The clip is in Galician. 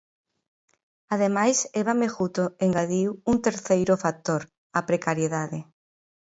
Ademais, Eva Mejuto engadiu un terceiro factor: a precariedade.